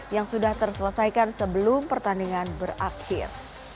yang sudah terselesaikan sebelum pertandingan berakhir